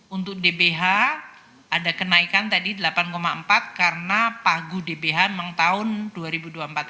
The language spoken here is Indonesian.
untuk dbh ada kenaikan tadi delapan empat karena pagu dbh memang tahun dua ribu dua puluh empat